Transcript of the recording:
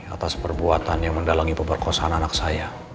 atas perbuatan yang mendalangi pemerkosaan anak saya